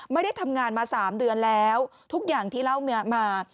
ไม่ได้ทำงานมา๓เดือนแล้วทุกอย่างที่เล่าเมียมา